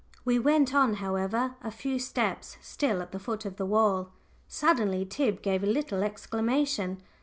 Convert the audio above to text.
We went on, however, a few steps, still at the foot of the wall. Suddenly Tib gave a little exclamation.